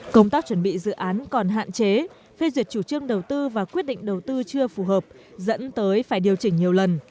công tác chuẩn bị dự án còn hạn chế phê duyệt chủ trương đầu tư và quyết định đầu tư chưa phù hợp dẫn tới phải điều chỉnh nhiều lần